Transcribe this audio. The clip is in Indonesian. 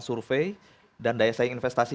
survei dan daya saing investasi